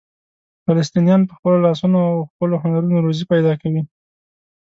فلسطینیان په خپلو لاسونو او خپلو هنرونو روزي پیدا کوي.